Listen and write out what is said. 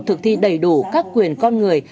thực thi đầy đủ các quyền con người